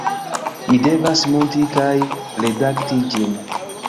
Ni devas munti kaj redakti ĝin